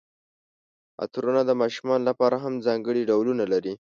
عطرونه د ماشومانو لپاره هم ځانګړي ډولونه لري.